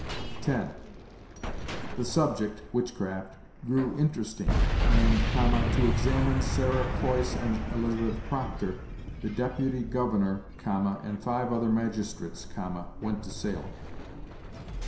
10. 'The subject [witchcraft] grew interesting; and(,) to examine Sarah Cloyce and Elizabeth Proctor, the deputy governor(,) and five other magistrates(,) went to Salem.'